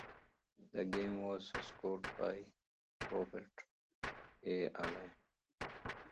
The game was scored by Robert A. Allen.